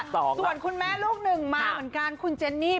ตัวขวาของคุณแม่ลูกนึงมาเหมือนกันคุณเจนท์นี่